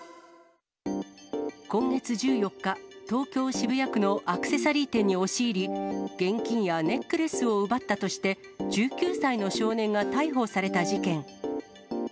今月１４日、東京・渋谷区のアクセサリー店に押し入り、現金やネックレスを奪ったとして、１９歳の少年が逮捕された事件。